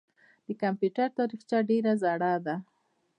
د کمپیوټر تاریخچه ډېره زړه ده.